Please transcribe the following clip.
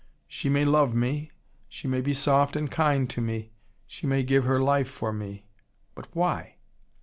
She may love me, she may be soft and kind to me, she may give her life for me. But why?